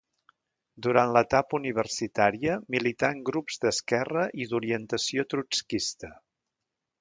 Durant l'etapa universitària milità en grups d'esquerra i d'orientació trotskista.